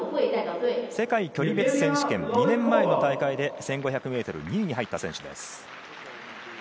世界距離別選手権、２年前の大会で１５００ｍ、２位に入った選手です。